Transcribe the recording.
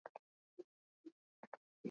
waongozaji wa meli walipuuza taarifa hizo